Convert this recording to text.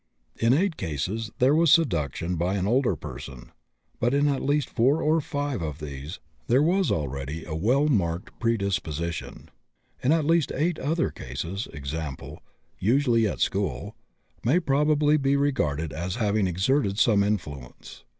In 8 cases there was seduction by an older person, but in at least 4 or 5 of these there was already a well marked predisposition. In at least 8 other cases, example, usually at school, may probably be regarded as having exerted some influence.